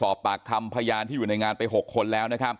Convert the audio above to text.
สอบปากคำพยานที่อยู่ในงานไป๖คนแล้วนะครับ